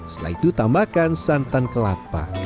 setelah itu tambahkan santan kelapa